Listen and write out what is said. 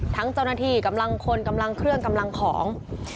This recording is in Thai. เจ้าหน้าที่กำลังคนกำลังเครื่องกำลังของ